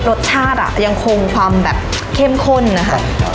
รสชาติอ่ะยังคงความแบบเข้มข้นนะคะ